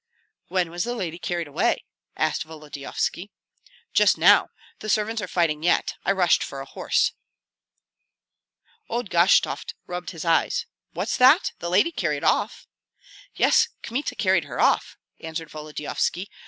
"When was the lady carried away?" asked Volodyovski. "Just now the servants are fighting yet I rushed for a horse." Old Gashtovt rubbed his eyes. "What's that? The lady carried off?" "Yes; Kmita carried her off," answered Volodyovski.